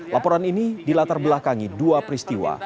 laporan ini dilatar belakangi dua peristiwa